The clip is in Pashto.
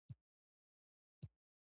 د ارغستان سیند په کندهار کې دی